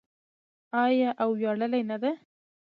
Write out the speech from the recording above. آیا او ویاړلې نه ده؟